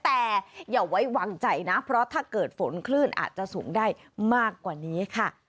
แต่อย่าไว้วางใจนะเพราะถ้าเกิดฝนคลื่นอาจจะสูงได้มากกว่านี้ค่ะ